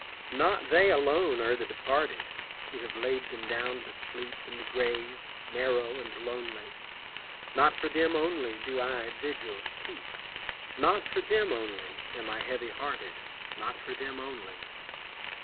Not they alone are the departed, Who have laid them down to sleep In the grave narrow and lonely, Not for them only do I vigils keep, Not for them only am I heavy hearted, Not for them only!